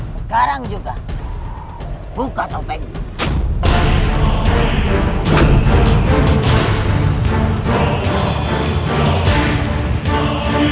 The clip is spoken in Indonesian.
sekarang juga buka topengmu